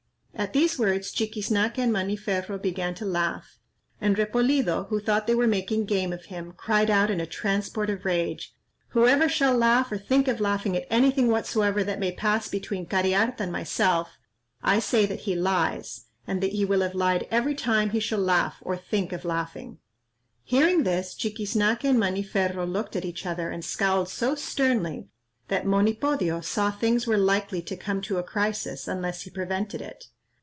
At these words Chiquiznaque and Maniferro began to laugh, and Repolido, who thought they were making game of him, cried out in a transport of rage, "Whoever shall laugh or think of laughing at anything whatsoever that may pass between Cariharta and myself, I say that he lies, and that he will have lied every time he shall laugh or think of laughing." Hearing this, Chiquiznaque and Maniferro looked at each other and scowled so sternly, that Monipodio saw things were likely to come to a crisis unless he prevented it.